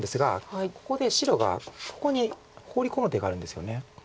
ここで白がここにホウリ込む手があるんですよね。